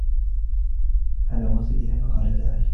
عَلَى وَاصِلِهَا فَقَالَ تَعَالَى